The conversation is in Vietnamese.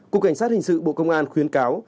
cục cảnh sát hình sự bộ công an khuyến cáo